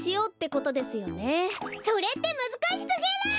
それってむずかしすぎる！